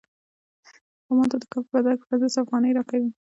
خو ماته د کار په بدل کې پنځوس افغانۍ راکوي